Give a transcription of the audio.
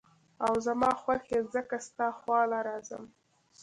او زما خوښ ئې ځکه ستا خواله راځم ـ